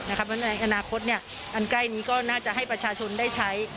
ในอนาคตอันใกล้นี้ก็น่าจะให้ประชาชนได้ใช้